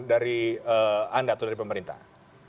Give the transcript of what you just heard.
dari anda atau dari pemerintah